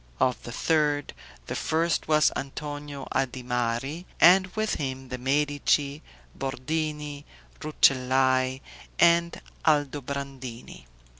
Of the third the first was Antonio Adimari, and with him the Medici, Bordini, Rucellai, and Aldobrandini.